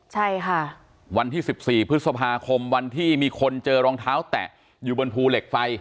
ใช่ค่ะวันที่๑๔พฤษภาคมวันที่มีคนเจอรองเท้าแตะอยู่บนภูเหล็กไฟ